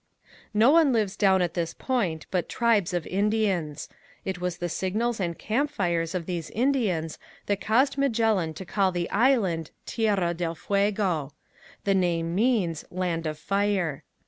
No one lives down at this point but tribes of Indians. It was the signals and campfires of these Indians that caused Magellan to call the island "Tierra del Fuego." The name means "Land of Fire."